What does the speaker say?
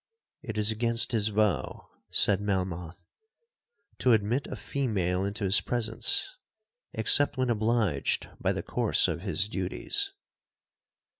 —'It is against his vow,' said Melmoth, 'to admit a female into his presence, except when obliged by the course of his duties.'